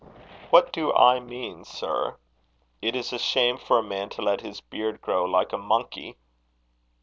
"What do I mean, sir? It is a shame for a man to let his beard grow like a monkey."